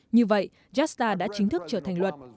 như vậy jasta đã chính thức trở thành luật